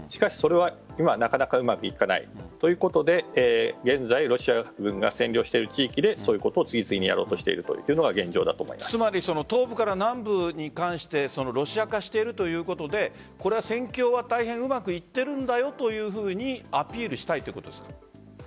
それが今、なかなかうまくいかないということで現在ロシア軍が占領している地域でそういうことを次々にやろうとしているのが東部から南部に関してロシア化しているということでこれは、戦況はうまくいっているんだよというふうにアピールしたいということですか？